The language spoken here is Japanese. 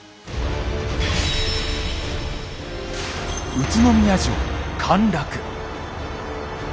宇都宮城陥落。